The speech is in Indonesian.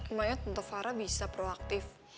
emangnya tante farah bisa proaktif